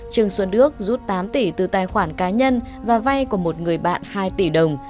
trương xuân đức rút tám tỷ từ tài khoản cá nhân và vay của một người bạn hai tỷ đồng